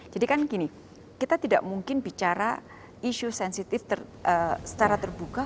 jadi kan gini kita tidak mungkin bicara isu sensitif secara terbuka